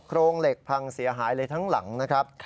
โรงเหล็กพังเสียหายเลยทั้งหลังนะครับ